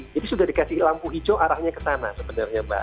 jadi sudah dikasih lampu hijau arahnya ke sana sebenarnya mbak